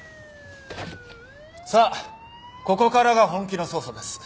さあここからが本気の捜査です。